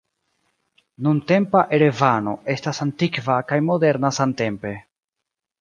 Nuntempa Erevano estas antikva kaj moderna samtempe.